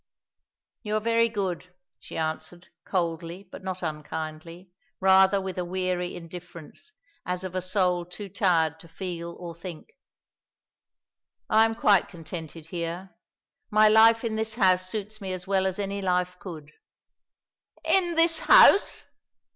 "You are very good," she answered, coldly but not unkindly rather with a weary indifference, as of a soul too tired to feel or think. "I am quite contented here. My life in this house suits me as well as any life could." "In this house?"